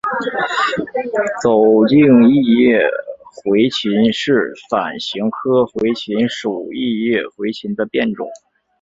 走茎异叶茴芹是伞形科茴芹属异叶茴芹的变种。